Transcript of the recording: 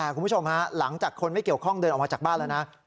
คุณผู้ชมฮะหลังจากคนไม่เกี่ยวข้องเดินออกมาจากบ้านแล้วนะ